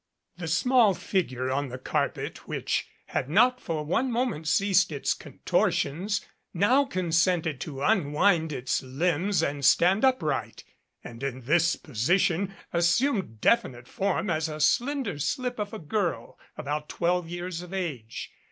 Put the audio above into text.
The small figure on the carpet, which had not for one moment ceased its contortions, now consented to unwind its limbs and stand upright ; and in this position assumed definite form as a slender slip of a girl, about twelve years of age.